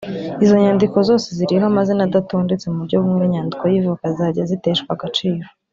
izo nyandiko zose ziriho amazina adatondetse mu buryo bumwe n’inyandiko y’ivuka zizajya ziteshwa agaciro